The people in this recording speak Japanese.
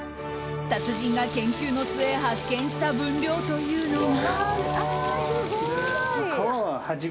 達人が研究の末発見した分量というのが。